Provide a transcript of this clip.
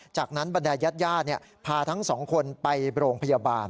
จากนั้นบรรยายาทร์พาทั้ง๒คนไปโรงพยาบาล